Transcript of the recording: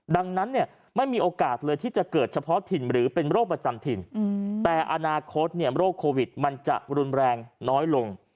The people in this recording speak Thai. ดังนั้นเนี่ยไม่มีโอกาสเลยที่จะเกิดเฉพาะถิ่นหรือเป็นโรคประจำถิ่นแต่อนาคตโรคโควิดมันจะรุนแรงน้อยลง